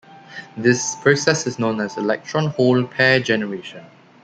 This process is known as "electron-hole pair generation".